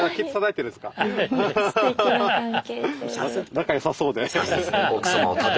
仲良さそうで。